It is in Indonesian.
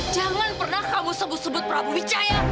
jangan pernah kamu sebut sebut prabu wijaya